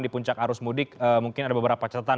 di puncak arus mudik mungkin ada beberapa catatan